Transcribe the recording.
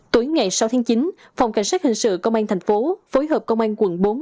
tối ngày sáu tháng chín phòng cảnh sát hình sự công an thành phố phối hợp công an quận bốn